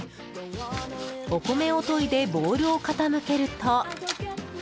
お米をといでボウルを傾けると。